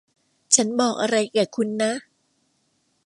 ฉันบอกอะไรแก่คุณนะ